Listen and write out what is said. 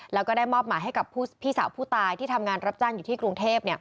แล้วก็ได้มอบหมายให้กับพี่สาวผู้ตายที่ทำงานรับจ้างอยู่ที่กรุงเทพ